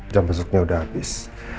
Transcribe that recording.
jam besoknya udah habis